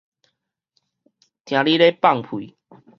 聽你咧放屁